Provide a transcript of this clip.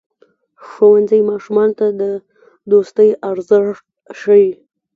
ښوونځی ماشومانو ته د دوستۍ ارزښت ښيي.